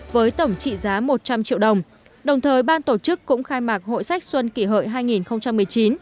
với tổng trị giá một trăm linh triệu đồng đồng thời ban tổ chức cũng khai mạc hội sách xuân kỷ hợi hai nghìn một mươi chín